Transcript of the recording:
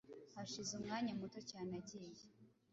hashize umwanya muto cyane agiye